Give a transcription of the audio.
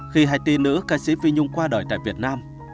khi hai tia nữ ca sĩ phi nhung qua đời tại việt nam